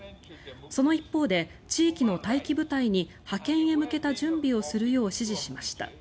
その一方で、地域の待機部隊に派遣へ向けた準備をするよう指示しました。